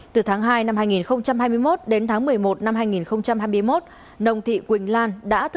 từ tháng hai năm hai nghìn hai mươi một đến tháng một mươi một năm hai nghìn hai mươi một